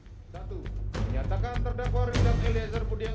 satu menyatakan terdakwa richard eliezer pudiang lungu